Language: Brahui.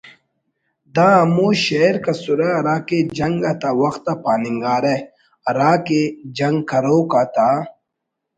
دا ہمو شئیرک ئسرہ ہراکہ جنگ آتا وخت آ پاننگارہ ہرا کہ جنگ کروک آتا